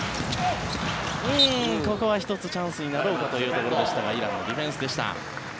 ここは１つチャンスになろうかというところでしたがイランのディフェンスでした。